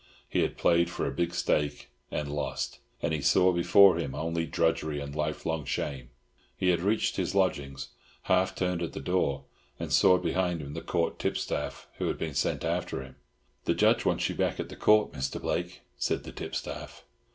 He had played for a big stake and lost, and he saw before him only drudgery and lifelong shame. He had reached his lodgings, half turned at the door, and saw behind him the Court tipstaff, who had been sent after him. "The Judge wants you back at the Court, Mr. Blake," said the tipstaff.